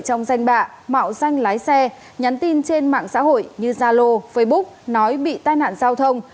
trong danh bạ mạo danh lái xe nhắn tin trên mạng xã hội như zalo facebook nói bị tai nạn giao thông